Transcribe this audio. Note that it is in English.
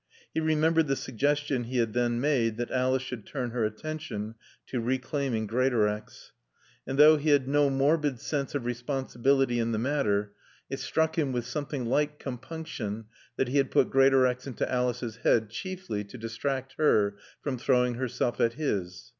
He remembered the suggestion he had then made that Alice should turn her attention to reclaiming Greatorex. And, though he had no morbid sense of responsibility in the matter, it struck him with something like compunction that he had put Greatorex into Alice's head chiefly to distract her from throwing herself at his.